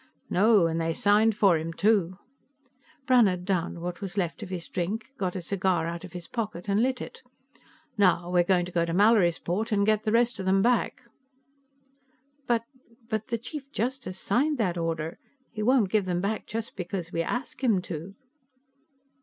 "No, and they signed for him, too." Brannhard downed what was left of his drink, got a cigar out of his pocket and lit it. "Now, we're going to go to Mallorysport and get the rest of them back." "But.... But the Chief Justice signed that order. He won't give them back just because we ask him to."